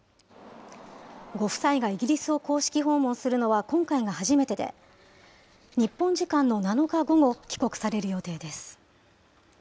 ご夫妻がイギリスを公式訪問するのは今回が初めてで、日本時間の７日午後、帰国される予定です。